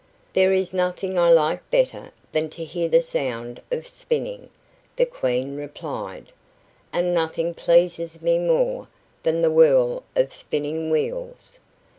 "There is nothing I like better than to hear the sound of spinning," the Queen replied, "and nothing pleases me more than the whirl of spinning wheels.